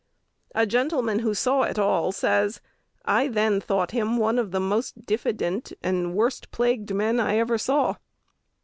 A gentleman who saw it all says, "I then thought him one of the most diffident and worst plagued men I ever saw."